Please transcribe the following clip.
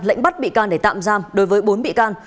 lệnh bắt bị can để tạm giam đối với bốn bị can